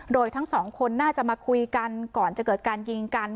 โดยทั้งสองคนน่าจะมาคุยกันก่อนจะเกิดการยิงกัน